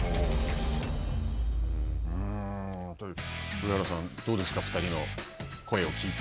上原さん、どうですか、２人の声を聞いて。